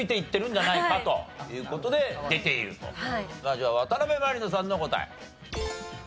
じゃあ渡辺満里奈さんの答え。